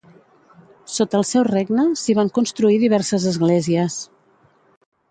Sota el seu regne, s'hi van construir diverses esglésies.